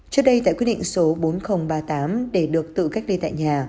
trước đây tại quyết định số bốn nghìn ba mươi tám để được tự cách ly tại nhà